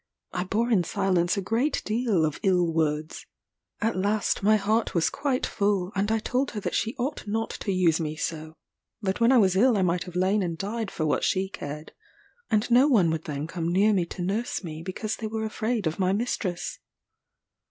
I bore in silence a great deal of ill words: at last my heart was quite full, and I told her that she ought not to use me so; that when I was ill I might have lain and died for what she cared; and no one would then come near me to nurse me, because they were afraid of my mistress.